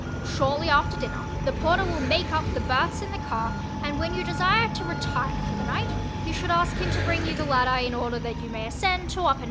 Shortly after dinner the porter will "make up" the berths in the car and when you desire to retire for the night you should ask him to bring you the ladder in order that you may ascend to upper 9.